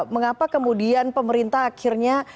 mengapa kemudian pemerintah akhirnya